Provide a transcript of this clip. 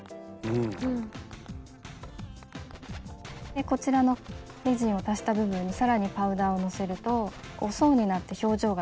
でこちらのレジンを足した部分に更にパウダーをのせると層になって表情が出てきます。